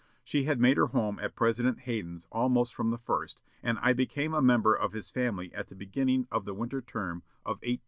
She had made her home at President Hayden's almost from the first; and I became a member of his family at the beginning of the winter term of 1852 53.